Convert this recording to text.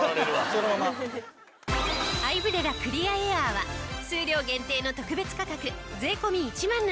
アイブレラクリアエアーは数量限定の特別価格税込１万７８００円。